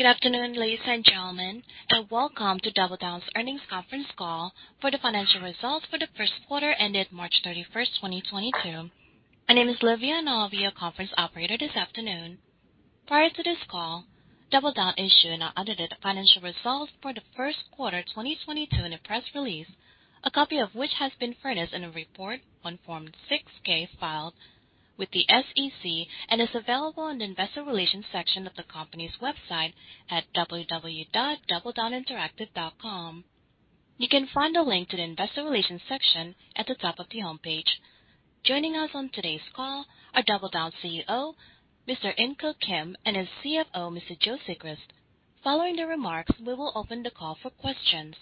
Good afternoon, ladies and gentlemen, and welcome to DoubleDown's earnings conference call for the financial results for the first quarter ended March 31st, 2022. My name is Olivia, and I'll be your conference operator this afternoon. Prior to this call, DoubleDown issued its audited financial results for the first quarter 2022 in a press release, a copy of which has been furnished in a report on Form 6-K filed with the SEC and is available on the investor relations section of the company's website at www.doubledowninteractive.com. You can find a link to the investor relations section at the top of the homepage. Joining us on today's call are DoubleDown CEO, Mr. In Keuk Kim, and his CFO, Mr. Joe Sigrist. Following the remarks, we will open the call for questions.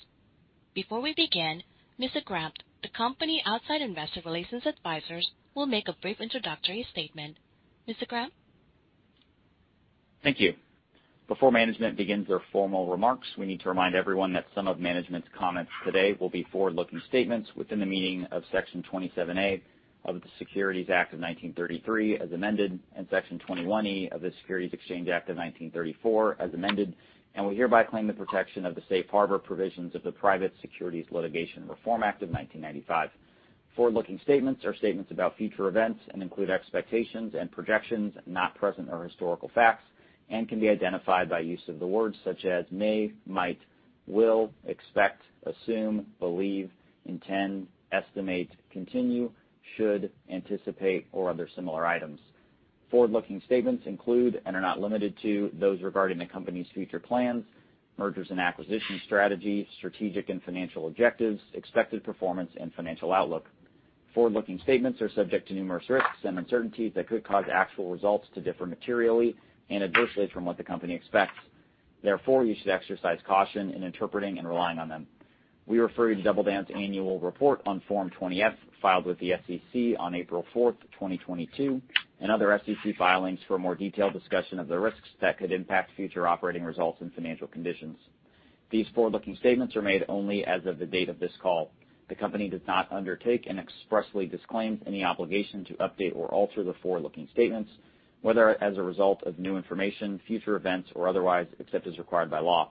Before we begin, Mr. Grampp, the company's outside investor relations advisor will make a brief introductory statement. Mr. Grampp? Thank you. Before management begins their formal remarks, we need to remind everyone that some of management's comments today will be forward-looking statements within the meaning of Section 27A of the Securities Act of 1933 as amended, and Section 21E of the Securities Exchange Act of 1934 as amended, and we hereby claim the protection of the safe harbor provisions of the Private Securities Litigation Reform Act of 1995. Forward-looking statements are statements about future events and include expectations and projections not present or historical facts and can be identified by use of the words such as may, might, will, expect, assume, believe, intend, estimate, continue, should, anticipate, or other similar items. Forward-looking statements include and are not limited to those regarding the company's future plans, mergers and acquisition strategies, strategic and financial objectives, expected performance and financial outlook. Forward-looking statements are subject to numerous risks and uncertainties that could cause actual results to differ materially and adversely from what the company expects. Therefore, you should exercise caution in interpreting and relying on them. We refer you to DoubleDown's annual report on Form 20-F, filed with the SEC on April 4th, 2022, and other SEC filings for a more detailed discussion of the risks that could impact future operating results and financial conditions. These forward-looking statements are made only as of the date of this call. The company does not undertake and expressly disclaims any obligation to update or alter the forward-looking statements, whether as a result of new information, future events or otherwise, except as required by law.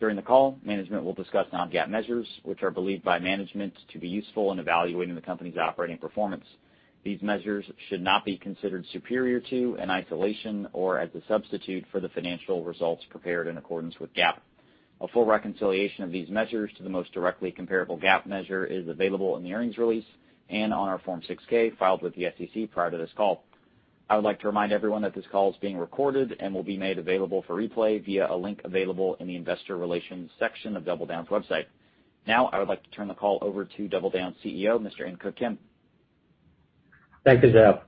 During the call, management will discuss non-GAAP measures, which are believed by management to be useful in evaluating the company's operating performance. These measures should not be considered superior to, in isolation, or as a substitute for the financial results prepared in accordance with GAAP. A full reconciliation of these measures to the most directly comparable GAAP measure is available in the earnings release and on our Form 6-K filed with the SEC prior to this call. I would like to remind everyone that this call is being recorded and will be made available for replay via a link available in the investor relations section of DoubleDown's website. Now I would like to turn the call over to DoubleDown's CEO, Mr. In Keuk Kim. Thank you, Jeff.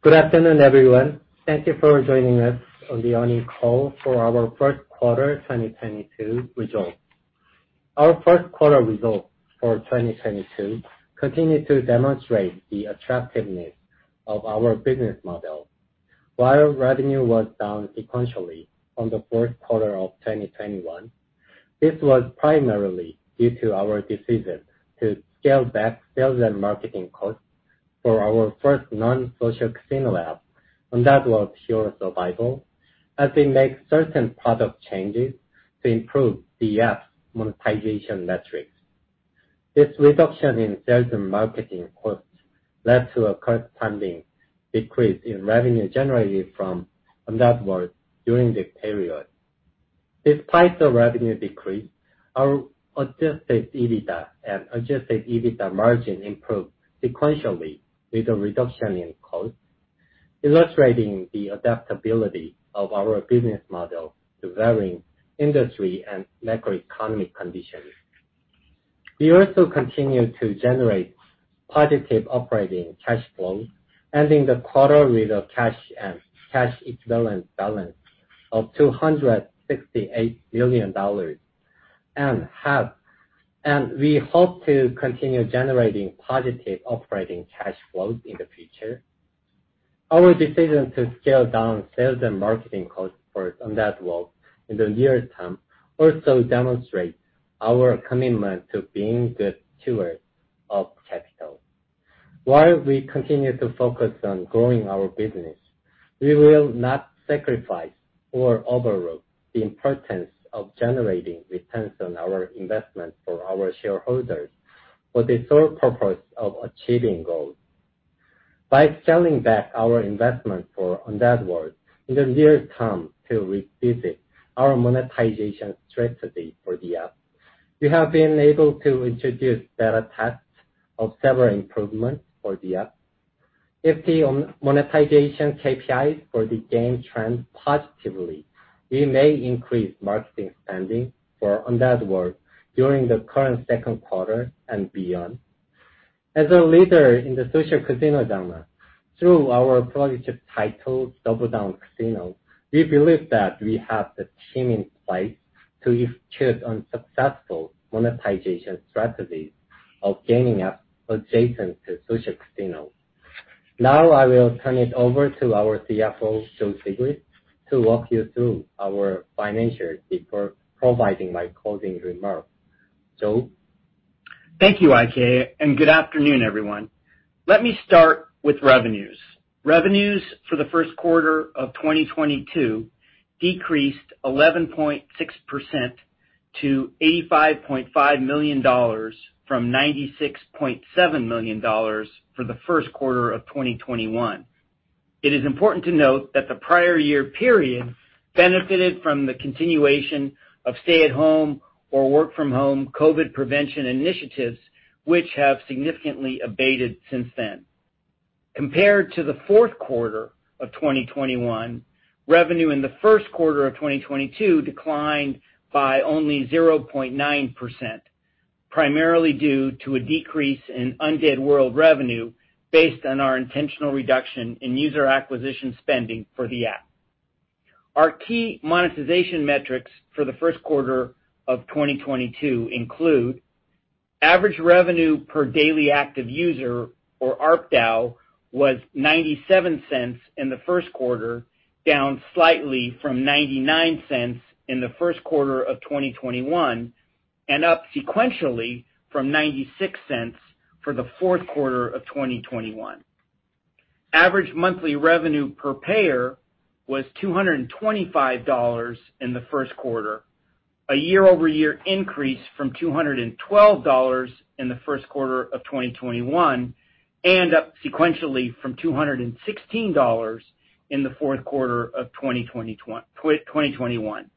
Good afternoon, everyone. Thank you for joining us on the earnings call for our first quarter 2022 results. Our first quarter results for 2022 continue to demonstrate the attractiveness of our business model. While revenue was down sequentially from the fourth quarter of 2021, this was primarily due to our decision to scale back sales and marketing costs for our first non-social casino app, and that was Hero Survival, as we make certain product changes to improve the app's monetization metrics. This reduction in sales and marketing costs led to a corresponding decrease in revenue generated from Undead World during the period. Despite the revenue decrease, our adjusted EBITDA and adjusted EBITDA margin improved sequentially with a reduction in costs, illustrating the adaptability of our business model to varying industry and macroeconomic conditions. We also continue to generate positive operating cash flow, ending the quarter with a cash and cash equivalent balance of $268 million, and we hope to continue generating positive operating cash flow in the future. Our decision to scale down sales and marketing costs for Undead World in the near term also demonstrates our commitment to being good stewards of capital. While we continue to focus on growing our business, we will not sacrifice or overlook the importance of generating returns on our investment for our shareholders for the sole purpose of achieving goals. By scaling back our investment for Undead World in the near term to revisit our monetization strategy for the app, we have been able to introduce beta tests of several improvements for the app. If the monetization KPIs for the game trend positively, we may increase marketing spending for Undead World during the current second quarter and beyond. As a leader in the social casino genre, through our flagship title, DoubleDown Casino, we believe that we have the team in place to execute on successful monetization strategies of gaming apps adjacent to social casino. Now I will turn it over to our CFO, Joe Sigrist, to walk you through our financials before providing my closing remarks. Joe? Thank you, IK, and good afternoon, everyone. Let me start with revenues. Revenues for the first quarter of 2022 decreased 11.6% to $85.5 million from $96.7 million for the first quarter of 2021. It is important to note that the prior year period benefited from the continuation of stay-at-home or work-from-home COVID prevention initiatives, which have significantly abated since then. Compared to the fourth quarter of 2021, revenue in the first quarter of 2022 declined by only 0.9%, primarily due to a decrease in Undead World revenue based on our intentional reduction in user acquisition spending for the app. Our key monetization metrics for the first quarter of 2022 include average revenue per daily active user, or ARPDAU, was $0.97 in the first quarter, down slightly from $0.99 in the first quarter of 2021, and up sequentially from $0.96 for the fourth quarter of 2021. Average monthly revenue per payer was $225 in the first quarter, a year-over-year increase from $212 in the first quarter of 2021, and up sequentially from $216 in the fourth quarter of 2021.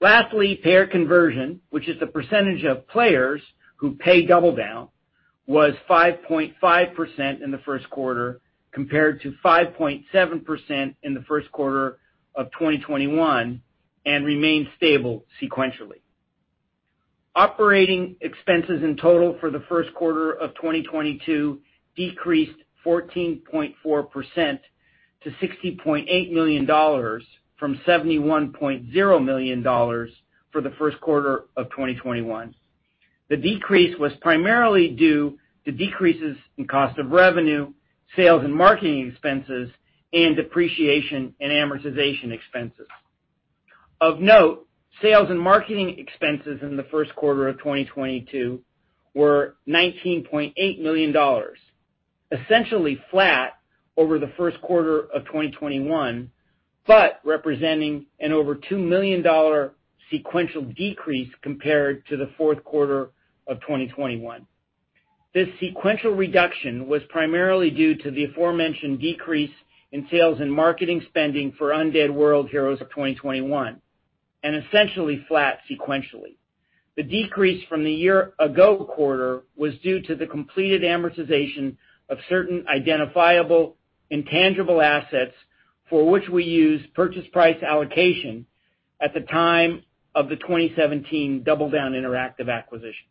Lastly, payer conversion, which is the percentage of players who pay DoubleDown, was 5.5% in the first quarter compared to 5.7% in the first quarter of 2021 and remained stable sequentially. Operating expenses in total for the first quarter of 2022 decreased 14.4% to $60.8 million from $71.0 million for the first quarter of 2021. The decrease was primarily due to decreases in cost of revenue, sales and marketing expenses, and depreciation and amortization expenses. Of note, sales and marketing expenses in the first quarter of 2022 were $19.8 million, essentially flat over the first quarter of 2021, but representing an over $2 million sequential decrease compared to the fourth quarter of 2021. This sequential reduction was primarily due to the aforementioned decrease in sales and marketing spending for Undead World: Hero Survival of 2021, and essentially flat sequentially. The decrease from the year ago quarter was due to the completed amortization of certain identifiable and tangible assets for which we used purchase price allocation at the time of the 2017 DoubleDown Interactive acquisition.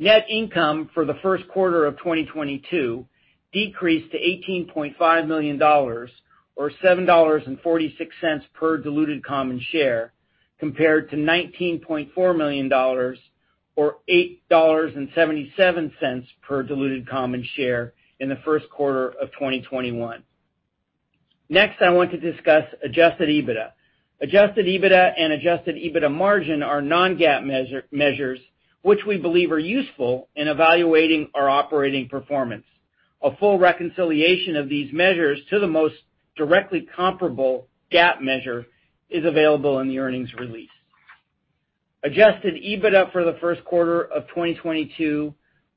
Net income for the first quarter of 2022 decreased to $18.5 million or $7.46 per diluted common share compared to $19.4 million or $8.77 per diluted common share in the first quarter of 2021. Next, I want to discuss adjusted EBITDA. Adjusted EBITDA and adjusted EBITDA margin are non-GAAP measures which we believe are useful in evaluating our operating performance. A full reconciliation of these measures to the most directly comparable GAAP measure is available in the earnings release. Adjusted EBITDA for the first quarter of 2022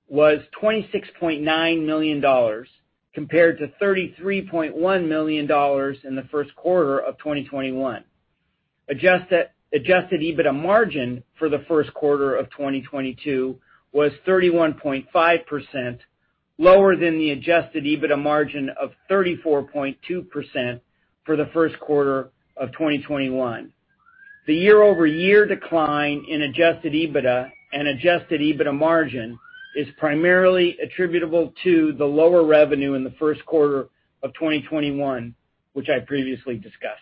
was $26.9 million compared to $33.1 million in the first quarter of 2021. Adjusted EBITDA margin for the first quarter of 2022 was 31.5%, lower than the adjusted EBITDA margin of 34.2% for the first quarter of 2021. The year-over-year decline in adjusted EBITDA and adjusted EBITDA margin is primarily attributable to the lower revenue in the first quarter of 2021, which I previously discussed.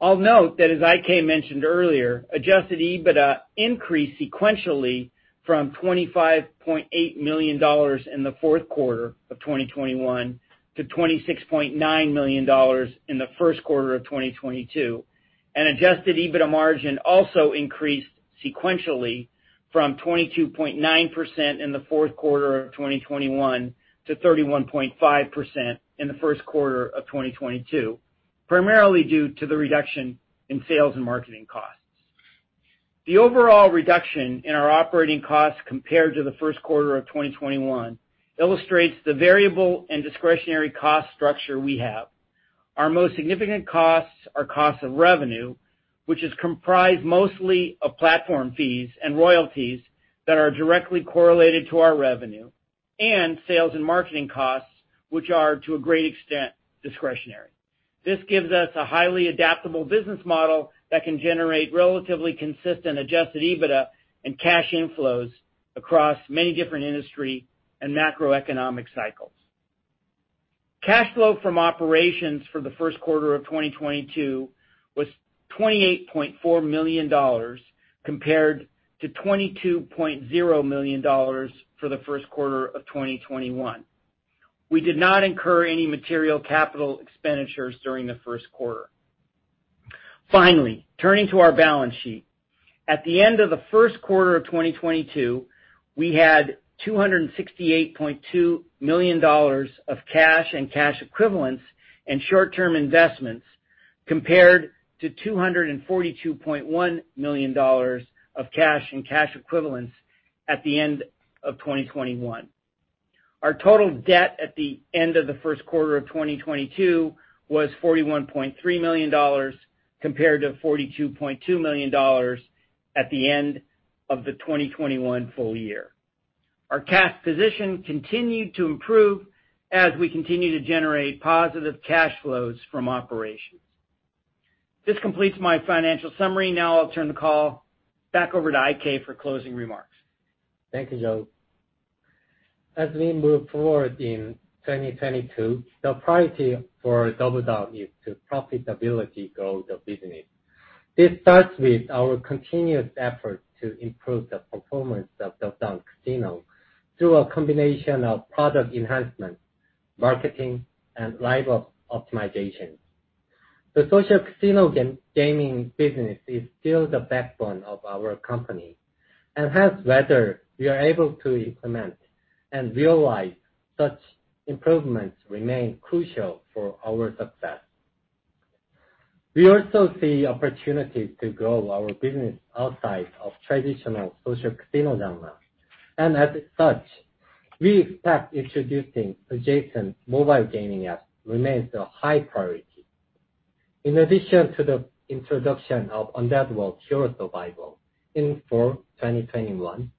I'll note that as IK mentioned earlier, adjusted EBITDA increased sequentially from $25.8 million in the fourth quarter of 2021 to $26.9 million in the first quarter of 2022, and adjusted EBITDA margin also increased sequentially from 22.9% in the fourth quarter of 2021 to 31.5% in the first quarter of 2022, primarily due to the reduction in sales and marketing costs. The overall reduction in our operating costs compared to the first quarter of 2021 illustrates the variable and discretionary cost structure we have. Our most significant costs are costs of revenue, which is comprised mostly of platform fees and royalties that are directly correlated to our revenue, and sales and marketing costs, which are to a great extent discretionary. This gives us a highly adaptable business model that can generate relatively consistent adjusted EBITDA and cash inflows across many different industry and macroeconomic cycles. Cash flow from operations for the first quarter of 2022 was $28.4 million compared to $22.0 million for the first quarter of 2021. We did not incur any material capital expenditures during the first quarter. Finally, turning to our balance sheet. At the end of the first quarter of 2022, we had $268.2 million of cash and cash equivalents in short-term investments, compared to $242.1 million of cash and cash equivalents at the end of 2021. Our total debt at the end of the first quarter of 2022 was $41.3 million compared to $42.2 million at the end of the 2021 full year. Our cash position continued to improve as we continue to generate positive cash flows from operations. This completes my financial summary. Now I'll turn the call back over to IK for closing remarks. Thank you, Joe. As we move forward in 2022, the priority for DoubleDown is to profitability grow the business. This starts with our continuous effort to improve the performance of DoubleDown Casino through a combination of product enhancements, marketing, and live ops optimization. The social casino gaming business is still the backbone of our company, and hence whether we are able to implement and realize such improvements remain crucial for our success. We also see opportunities to grow our business outside of traditional social casino genre, and as such, we expect introducing adjacent mobile gaming apps remains a high priority. In addition to the introduction of Undead World: Hero Survival in fall 2021,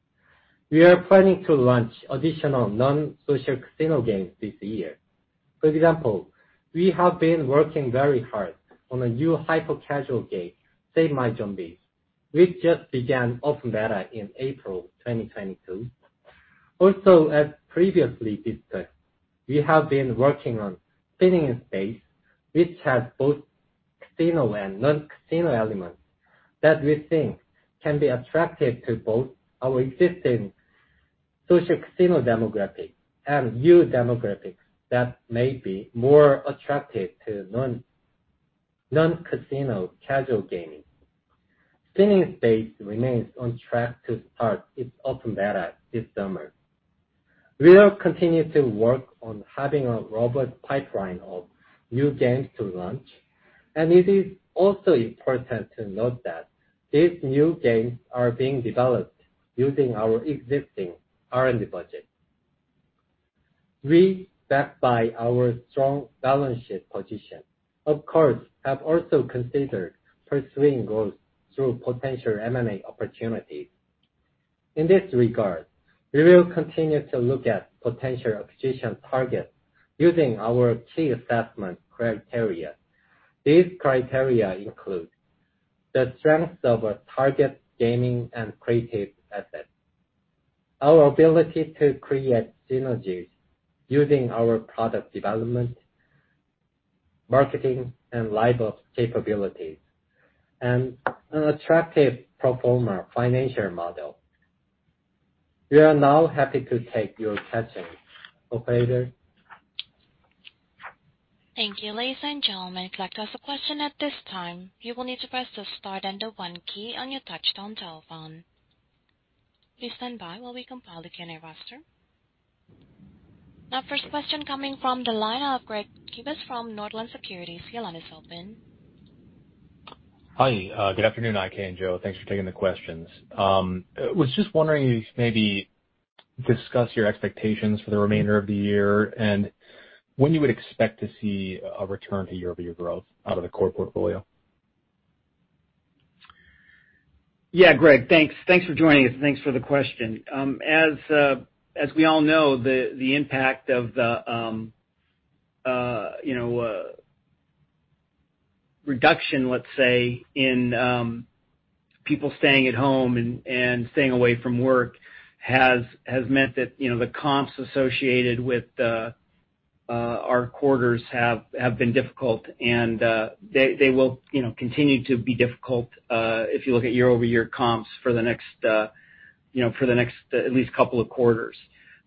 we are planning to launch additional non-social casino games this year. For example, we have been working very hard on a new hyper-casual game, Save My Zombies, which just began open beta in April 2022. Also, as previously discussed, we have been working on Spinning in Space, which has both casino and non-casino elements that we think can be attractive to both our existing social casino demographic and new demographics that may be more attractive to non-casino casual gaming. Spinning in Space remains on track to start its open beta this summer. We will continue to work on having a robust pipeline of new games to launch, and it is also important to note that these new games are being developed using our existing R&D budget. We, backed by our strong balance sheet position, of course have also considered pursuing growth through potential M&A opportunities. In this regard, we will continue to look at potential acquisition targets using our key assessment criteria. These criteria include the strength of a target gaming and creative assets, our ability to create synergies using our product development, marketing, and live ops capabilities, and an attractive pro forma financial model. We are now happy to take your questions. Operator? Thank you. Ladies and gentlemen, if you'd like to ask a question at this time, you will need to press the star then the one key on your touch-tone telephone. Please stand by while we compile the Q&A roster. Our first question coming from the line of Greg Gibas from Northland Securities. Your line is open. Hi, good afternoon, IK and Joe. Thanks for taking the questions. Was just wondering if you could maybe discuss your expectations for the remainder of the year and when you would expect to see a return to year-over-year growth out of the core portfolio? Yeah, Greg, thanks. Thanks for joining us. Thanks for the question. As we all know, the impact of the, you know, reduction, let's say, in people staying at home and staying away from work has meant that, you know, the comps associated with our quarters have been difficult and they will, you know, continue to be difficult if you look at year-over-year comps for the next, you know, at least couple of quarters.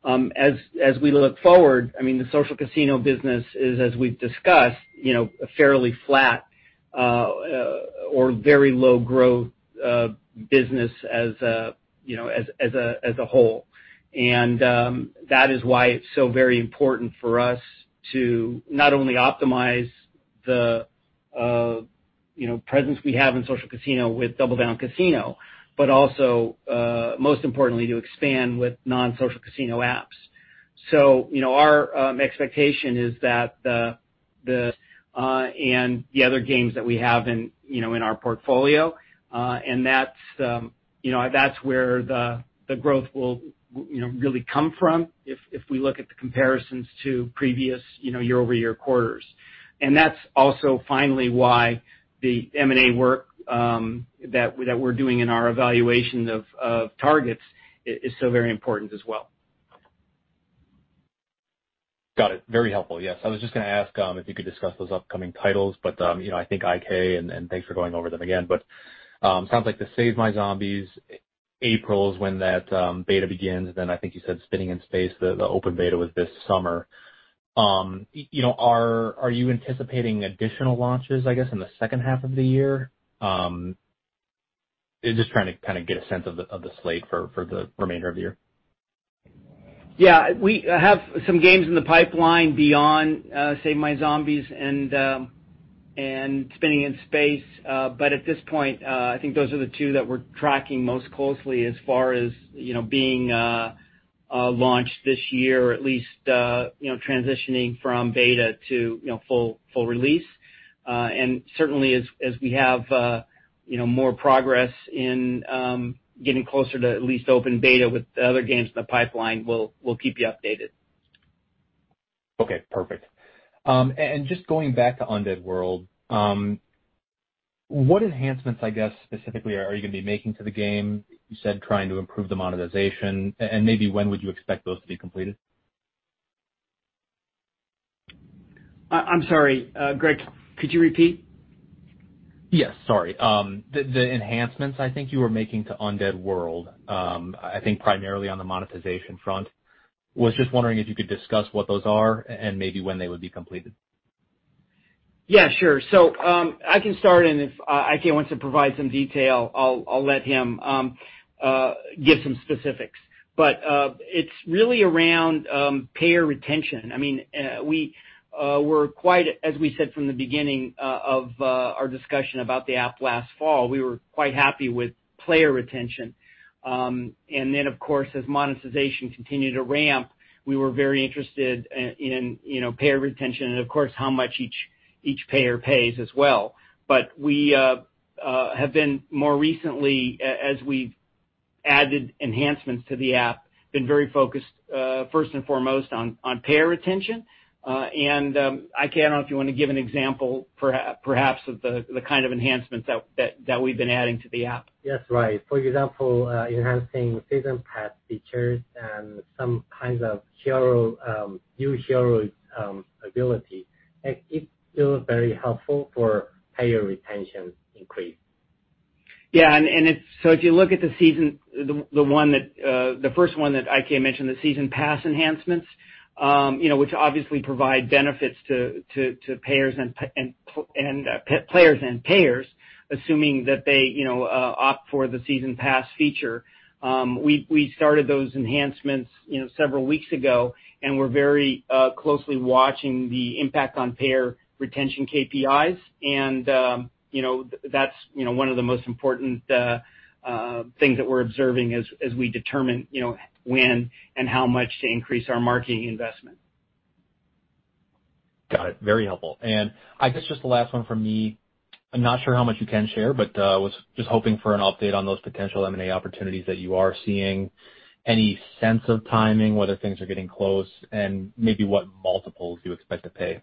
As we look forward, I mean, the social casino business is, as we've discussed, you know, a fairly flat or very low growth business as a, you know, as a whole. And, that is why it's so very important for us to not only optimize the you know presence we have in social casino with DoubleDown Casino, but also most importantly, to expand with non-social casino apps. you know, our expectation is that the other games that we have in, you know, in our portfolio. that's you know that's where the growth will, you know, really come from if we look at the comparisons to previous, you know, year-over-year quarters. that's also finally why the M&A work that we're doing in our evaluations of targets is so very important as well. Got it. Very helpful. Yes, I was just gonna ask if you could discuss those upcoming titles, but you know, I think IK, and thanks for going over them again, but sounds like the Save My Zombies! is April when that beta begins. Then I think you said Spinning in Space, the open beta was this summer. You know, are you anticipating additional launches, I guess, in the second half of the year? Just trying to kind of get a sense of the slate for the remainder of the year. Yeah. We have some games in the pipeline beyond Save My Zombies! and Spinning in Space. At this point, I think those are the two that we're tracking most closely as far as, you know, being launched this year or at least, you know, transitioning from beta to, you know, full release. Certainly as we have, you know, more progress in getting closer to at least open beta with the other games in the pipeline, we'll keep you updated. Okay. Perfect. Just going back to Undead World, what enhancements, I guess, specifically are you gonna be making to the game? You said trying to improve the monetization. Maybe when would you expect those to be completed? I'm sorry, Greg, could you repeat? Yes. Sorry. The enhancements I think you were making to Undead World, I think primarily on the monetization front. Was just wondering if you could discuss what those are and maybe when they would be completed? Yeah, sure. I can start, and if IK wants to provide some detail, I'll let him give some specifics. It's really around payer retention. I mean, as we said from the beginning of our discussion about the app last fall, we were quite happy with player retention. Of course, as monetization continued to ramp, we were very interested in you know, payer retention and, of course, how much each payer pays as well. We have been more recently, as we've added enhancements to the app, very focused first and foremost on payer retention. IK, I don't know if you want to give an example perhaps of the kind of enhancements that we've been adding to the app. Yes, right. For example, enhancing season pass features and some kinds of new hero ability. It's still very helpful for payer retention increase. Yeah. It's so if you look at the season, the first one that IK mentioned, the season pass enhancements, you know, which obviously provide benefits to payers and players, assuming that they, you know, opt for the season pass feature. We started those enhancements, you know, several weeks ago, and we're very closely watching the impact on payer retention KPIs. That's one of the most important things that we're observing as we determine, you know, when and how much to increase our marketing investment. Got it. Very helpful. I guess just the last one from me, I'm not sure how much you can share, but, was just hoping for an update on those potential M&A opportunities that you are seeing. Any sense of timing, whether things are getting close and maybe what multiples you expect to pay?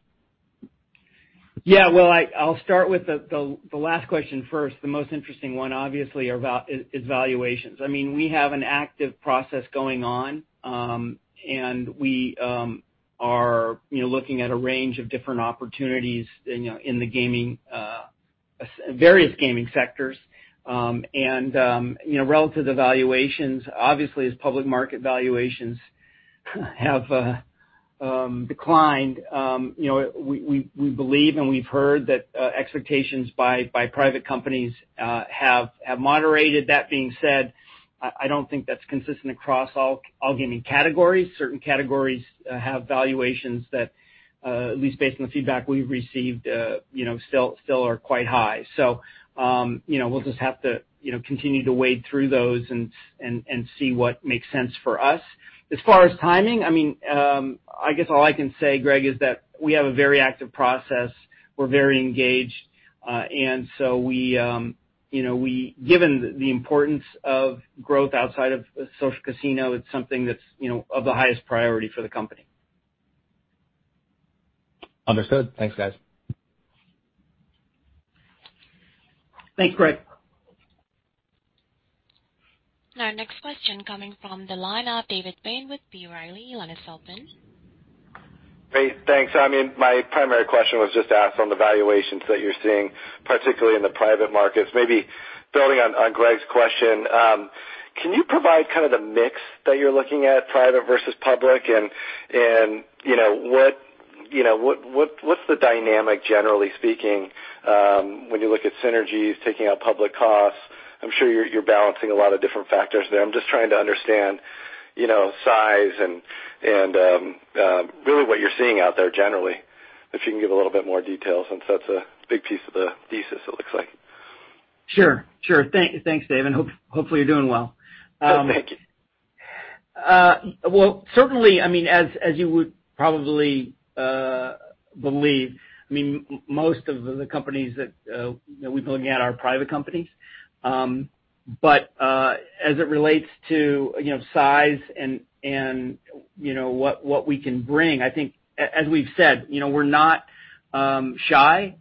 Yeah. Well, I'll start with the last question first. The most interesting one obviously are valuations. I mean, we have an active process going on, and we are, you know, looking at a range of different opportunities, you know, in the gaming, various gaming sectors. You know, relative valuations, obviously, as public market valuations have declined, you know, we believe and we've heard that expectations by private companies have moderated. That being said, I don't think that's consistent across all gaming categories. Certain categories have valuations that, at least based on the feedback we've received, you know, still are quite high. You know, we'll just have to, you know, continue to wade through those and see what makes sense for us. As far as timing, I mean, I guess all I can say, Greg, is that we have a very active process. We're very engaged. You know, given the importance of growth outside of social casino, it's something that's, you know, of the highest priority for the company. Understood. Thanks, guys. Thanks, Greg. Our next question coming from the line of David Bain with B. Riley. Your line is open. Hey, thanks. I mean, my primary question was just to ask on the valuations that you're seeing, particularly in the private markets. Maybe building on Greg's question, can you provide kind of the mix that you're looking at private versus public? And you know, what's the dynamic generally speaking, when you look at synergies, taking out public costs? I'm sure you're balancing a lot of different factors there. I'm just trying to understand, you know, size and really what you're seeing out there generally, if you can give a little bit more detail since that's a big piece of the thesis, it looks like. Sure. Thanks, David. Hopefully you're doing well. Thank you. Well, certainly, I mean, as you would probably believe, I mean, most of the companies that we've been looking at are private companies. As it relates to, you know, size and what we can bring, I think as we've said, you know, we're not shy.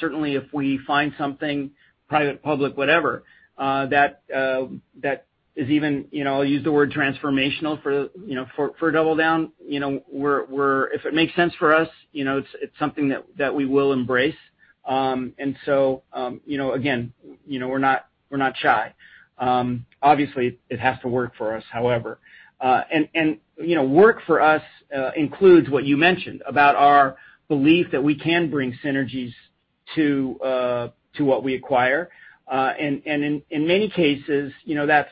Certainly if we find something private, public, whatever, that is even, you know, I'll use the word transformational for, you know, for DoubleDown, you know, we're if it makes sense for us, you know, it's something that we will embrace. You know, again, you know, we're not shy. Obviously it has to work for us, however, you know, work for us includes what you mentioned about our belief that we can bring synergies to what we acquire. In many cases, you know, that's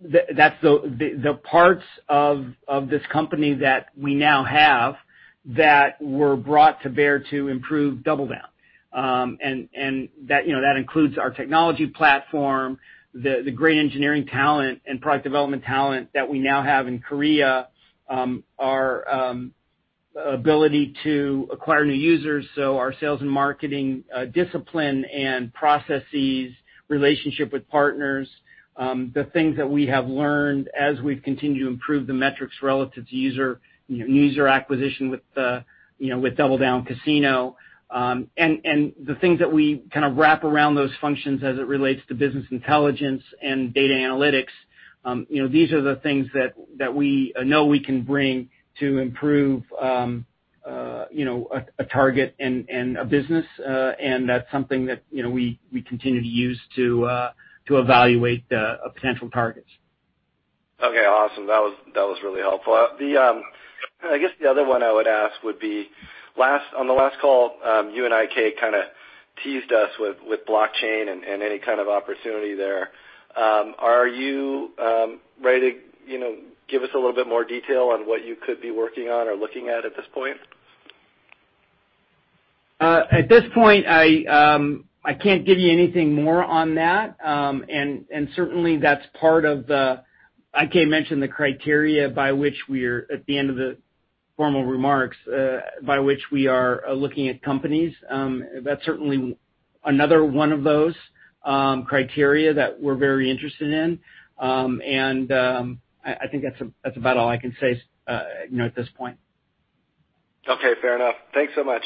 the parts of this company that we now have that were brought to bear to improve DoubleDown. That, you know, that includes our technology platform, the great engineering talent and product development talent that we now have in Korea, our ability to acquire new users, so our sales and marketing discipline and processes, relationship with partners, the things that we have learned as we've continued to improve the metrics relative to user, you know, user acquisition with, you know, with DoubleDown Casino. The things that we kinda wrap around those functions as it relates to business intelligence and data analytics, you know, these are the things that we know we can bring to improve, you know, a target and a business. That's something that, you know, we continue to use to evaluate potential targets. Okay, awesome. That was really helpful. I guess the other one I would ask would be on the last call, you and IK kinda teased us with blockchain and any kind of opportunity there. Are you ready to, you know, give us a little bit more detail on what you could be working on or looking at at this point? At this point I can't give you anything more on that. Certainly that's part of the criteria IK mentioned at the end of the formal remarks by which we are looking at companies. That's certainly another one of those criteria that we're very interested in. I think that's about all I can say, you know, at this point. Okay, fair enough. Thanks so much.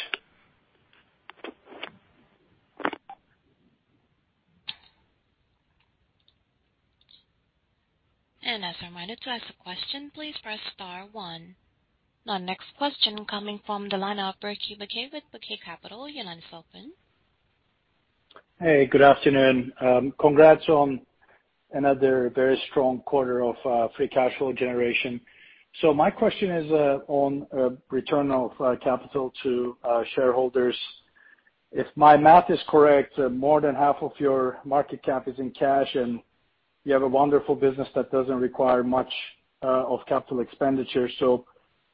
As a reminder, to ask a question, please press star one. Our next question coming from the line of Rickey Bookey with Bookey Capital Management. Your line's open. Hey, good afternoon. Congrats on another very strong quarter of free cash flow generation. My question is on return of capital to shareholders. If my math is correct, more than half of your market cap is in cash, and you have a wonderful business that doesn't require much of capital expenditure. If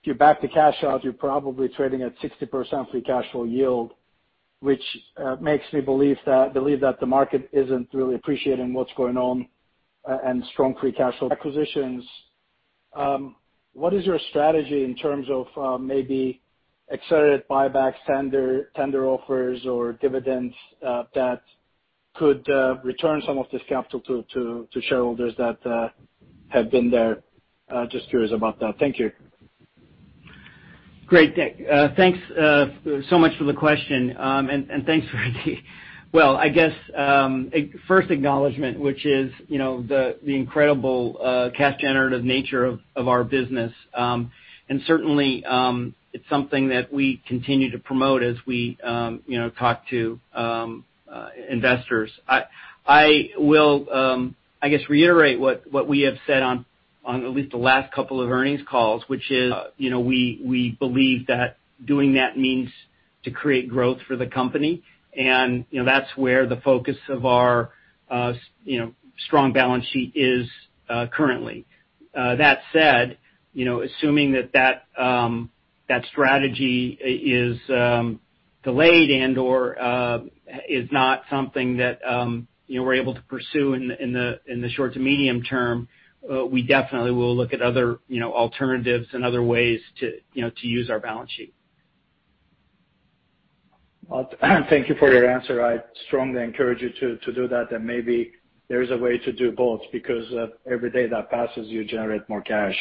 you back the cash out, you're probably trading at 60% free cash flow yield, which makes me believe that the market isn't really appreciating what's going on and strong free cash flow acquisitions. What is your strategy in terms of maybe accelerated buyback tender offers or dividends that could return some of this capital to shareholders that have been there? Just curious about that. Thank you. Great. Thanks so much for the question. Thanks for the, well, I guess, first acknowledgement, which is, you know, the incredible cash generative nature of our business. Certainly, it's something that we continue to promote as we, you know, talk to investors. I will, I guess, reiterate what we have said on at least the last couple of earnings calls, which is, you know, we believe that doing that means to create growth for the company and, you know, that's where the focus of our, you know, strong balance sheet is currently. That said, you know, assuming that strategy is not something that, you know, we're able to pursue in the short to medium term, we definitely will look at other, you know, alternatives and other ways to, you know, to use our balance sheet. Well, thank you for your answer. I strongly encourage you to do that and maybe there is a way to do both because every day that passes, you generate more cash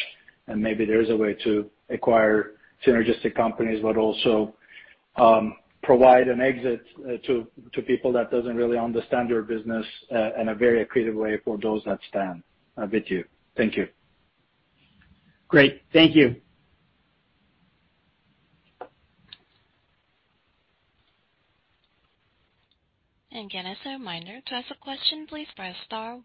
and maybe there is a way to acquire synergistic companies but also provide an exit to people that doesn't really understand your business in a very accretive way for those that stand with you. Thank you. Great. Thank you. Again, as a reminder, to ask a question, please press star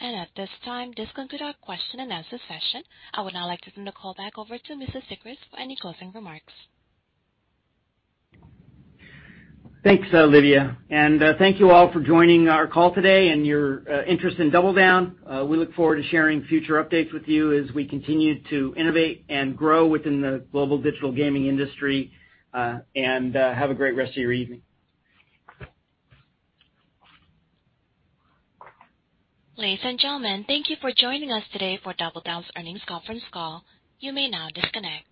one. At this time, this concludes our question-and-answer session. I would now like to turn the call back over to Mr. Sigrist for any closing remarks. Thanks, Olivia, and thank you all for joining our call today and your interest in DoubleDown. We look forward to sharing future updates with you as we continue to innovate and grow within the global digital gaming industry. Have a great rest of your evening. Ladies and gentlemen, thank you for joining us today for DoubleDown's earnings conference call. You may now disconnect.